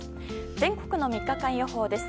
全国の３日間予報です。